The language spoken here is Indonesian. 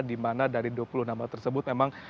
di mana dari dua puluh nama tersebut memang